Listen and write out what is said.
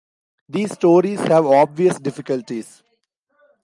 These stories have obvious difficulties.